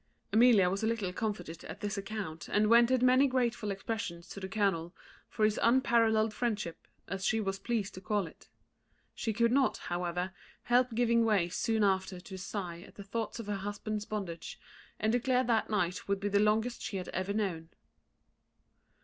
Amelia was a little comforted at this account, and vented many grateful expressions to the colonel for his unparalleled friendship, as she was pleased to call it. She could not, however, help giving way soon after to a sigh at the thoughts of her husband's bondage, and declared that night would be the longest she had ever known.